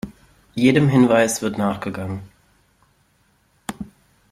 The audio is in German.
Jedem Hinweis wird nachgegangen.